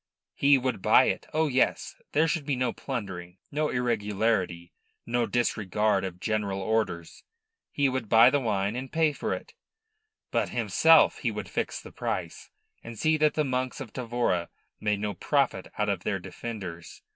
He would buy it. Oh yes! There should be no plundering, no irregularity, no disregard of general orders. He would buy the wine and pay for it but himself he would fix the price, and see that the monks of Tavora made no profit out of their defenders.